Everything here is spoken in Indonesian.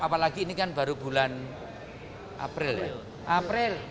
apalagi ini kan baru bulan april